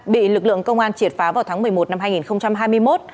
bị lực lượng công an triệt phá vào tháng một mươi một năm hai nghìn hai mươi một